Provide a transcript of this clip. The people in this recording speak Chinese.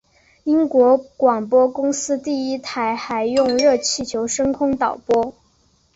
英国广播公司第一台还用热气球升空报导。